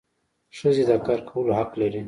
ښځي د کار کولو حق لري.